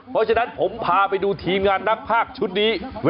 เพราะฉะนั้นผมพาไปดูทีมงานนักภาคชุดนี้